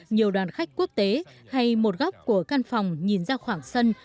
nhiều đoàn khách quốc tế hay một góc của căn phòng nhìn ra khoảng sân